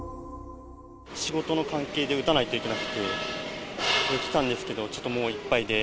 仕事の関係で打たないといけなくて、来たんですけど、ちょっともういっぱいで。